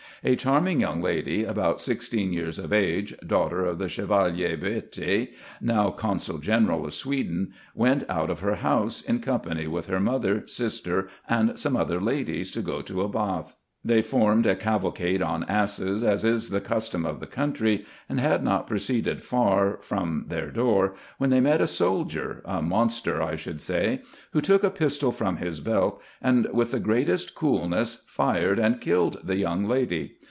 A charming young lady, about sixteen years of age, daughter of the Chevalier Bocty, now consul general of Sweden, went out of her house, in company with her mother, sister, and some other ladies, to go to a bath. They formed a cavalcade on asses, as is the custom of the country ; and had not proceeded far from their door, when they met a soldier, a monster I should say, who took a pistol from his belt, and, with the greatest coolness, fired and killed the young lady.